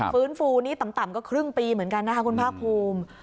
ฟื้นฟูนี่ต่ำก็ครึ่งปีเหมือนกันนะคะคุณภาคภูมิ